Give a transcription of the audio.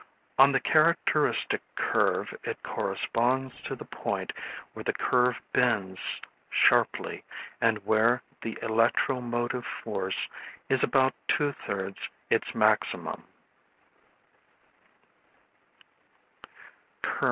On the characteristic curve it corresponds to the point where the curve bends sharply, and where the electro motive force is about two thirds its maximum.